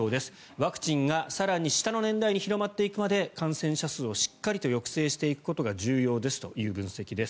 ワクチンが更に下の年代に広がっていくまで感染者数をしっかりと抑制していくことが重要ですという分析です。